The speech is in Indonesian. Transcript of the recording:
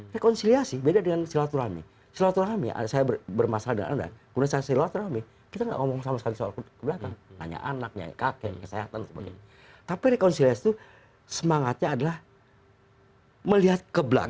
rekonsiliasi beda dengan silaturahmi silaturahmi saya bermasalah dengan anak kita nggak ngomong sama sekali soal ke belakang tanya anak nyanyi kakek kesehatan dan sebagainya tapi rekonsiliasi itu semangatnya adalah melihat ke belakang